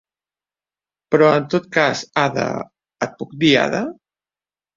Però en tot cas, Ada... Et puc dir Ada?